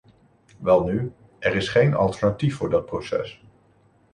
Welnu, er is geen alternatief voor dat proces.